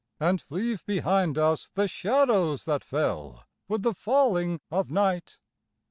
And leave behind us the shadows that fell with the falling of night.